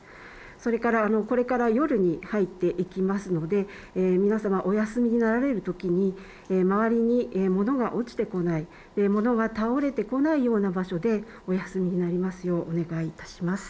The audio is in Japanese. それから、これから夜に入っていきますので皆様、お休みになられるときに周りに物が落ちてこない、物が倒れてこないような場所でお休みになりますようお願いいたします。